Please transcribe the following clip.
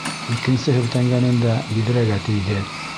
Икенсе һелтәнгәнендә биҙрәгә тейҙе.